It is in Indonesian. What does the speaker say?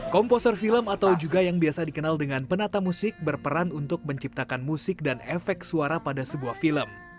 komposer film atau juga yang biasa dikenal dengan penata musik berperan untuk menciptakan musik dan efek suara pada sebuah film